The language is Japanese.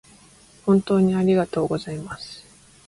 本当にありがとうございます